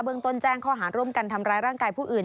เมืองต้นแจ้งข้อหาร่วมกันทำร้ายร่างกายผู้อื่น